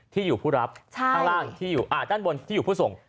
ที่อยู่ผู้รับด้านล่างที่อยู่ผู้ทรง